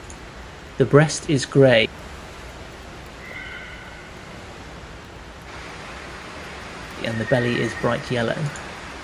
The breast is grey and the belly is bright yellow.